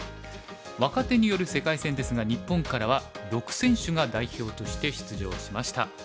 若手による世界戦ですが日本からは６選手が代表として出場しました。